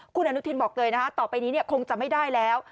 คุณอนุทินบอกเลยนะคะต่อไปนี้คงจะไม่ได้แล้ว